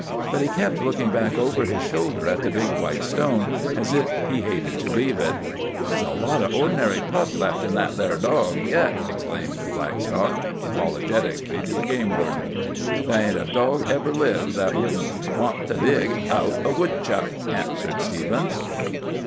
But he kept looking back over his shoulder at the big white stone, as if he hated to leave it. "There's a lot o' ordinary pup left in that there dawg yet," explained Blackstock apologetically to the game warden. "There ain't a dawg ever lived that wouldn't want to dig out a woodchuck," answered Stephens.